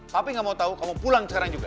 tapi gak mau tahu kamu pulang sekarang juga